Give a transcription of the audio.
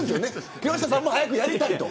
木下さんも早くやりたいと。